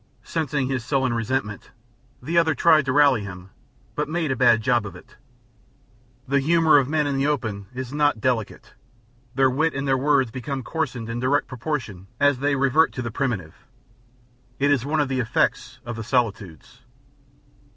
Sensing his sullen resentment, the other tried to rally him, but made a bad job of it. The humor of men in the open is not delicate; their wit and their words become coarsened in direct proportion as they revert to the primitive; it is one effect of the solitudes.